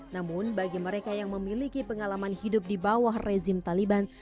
namun bagi mereka yang memiliki pengalaman hidup di bawah rezim taliban